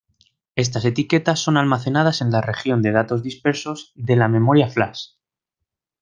Estas etiquetas son almacenadas en la región de "datos dispersos" de la memoria Flash.